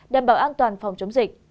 đảm bảo an toàn phòng chống dịch